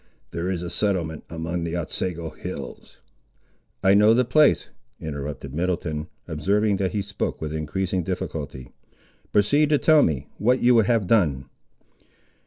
There is a settlement among the Otsego hills—" "I know the place," interrupted Middleton, observing that he spoke with increasing difficulty; "proceed to tell me, what you would have done."